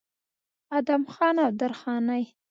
ادم خان او درخانۍ